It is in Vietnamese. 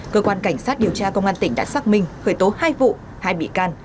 cơ quan cảnh sát điều tra công an tỉnh đã xác minh khởi tố hai vụ hai bị can